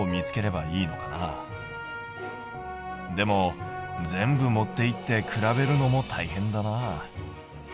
でも全部持っていって比べるのもたいへんだな。